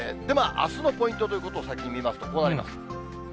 あすのポイントということを先に言いますと、こうなります。